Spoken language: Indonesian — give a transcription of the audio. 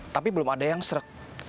tapi belum ada yang serek